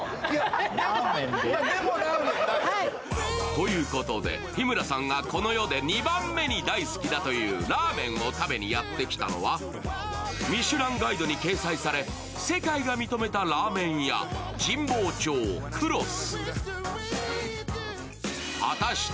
ということで、日村さんがこの世で２番目に大好きだというラーメンを食べにやって来たのは、「ミシュランガイド」に掲載され世界が認めたラーメン屋、神保町黒須。